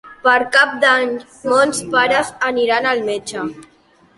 Per Cap d'Any mons pares aniran al metge.